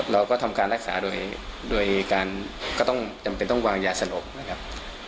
เราก็ทำการรักษาโดยการก็ต้องจำเป็นต้องวางยาสลบนะครับ